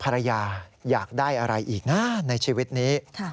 อยากได้อะไรอีกนะในชีวิตนี้